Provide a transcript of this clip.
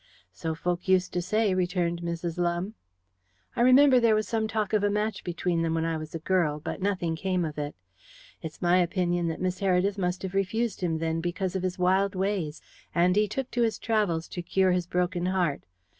"So folk used to say," returned Mrs. Lumbe. "I remember there was some talk of a match between them when I was a girl, but nothing came of it. It's my opinion that Miss Heredith must have refused him then because of his wild days, and he took to his travels to cure his broken heart.